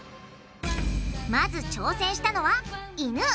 まず挑戦したのはイヌ。